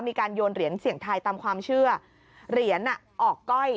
มีการโยนเหรียญเสี่ยงทายตามความเชื่อเหรียญออกก้อย